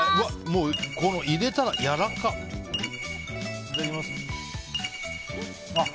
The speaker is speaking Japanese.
もう入れたら、やわらかっ！